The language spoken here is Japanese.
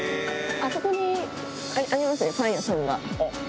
あそこにありますね、パン屋さんが。